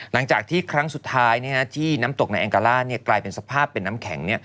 หลังจากที่ครั้งสุดท้ายที่น้ำตกในแองกาล่ากลายเป็นสภาพเป็นน้ำแข็ง